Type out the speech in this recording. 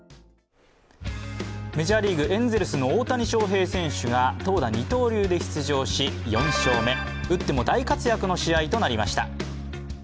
メジャーリーグ、エンゼルスの大谷翔平選手が投打二刀流で出場し、４勝目、打っても大活躍の試合となりました。